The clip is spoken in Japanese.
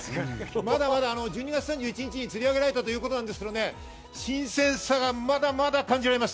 まだまだ１２月３１日に釣り上げられたということですが、新鮮さがまだまだ感じられます。